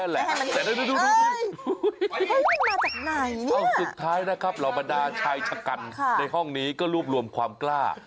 แต่สุดท้ายนะครับเหล่าบรรดาชายชะกันในห้องนี้ก็รวบรวมความกล้า